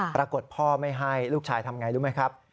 ปรากฏพ่อไม่ให้ลูกชายทำไงรู้ไหมครับ